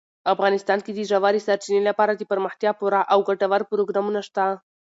افغانستان کې د ژورې سرچینې لپاره دپرمختیا پوره او ګټور پروګرامونه شته.